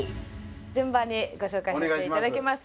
順番にご紹介させていただきます。